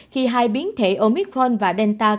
khi hai biến thể omicron và dandruff